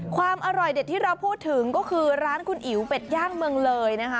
ความอร่อยเด็ดที่เราพูดถึงก็คือร้านคุณอิ๋วเป็ดย่างเมืองเลยนะคะ